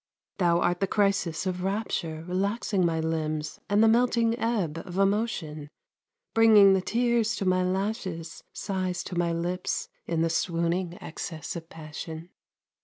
Thou art the crisis of rapture Relaxing my limbs, and the melting Ebb of emotion; Bringing the tears to my lashes, Sighs to my lips, in the swooning Excess of passion.